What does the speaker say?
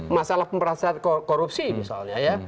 masalah pemerintahan korupsi misalnya